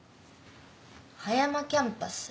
葉山キャンパス？